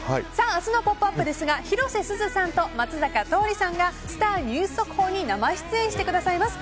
明日の「ポップＵＰ！」ですが広瀬すずさんと松坂桃李さんがスター☆ニュース速報に生出演してくださいます。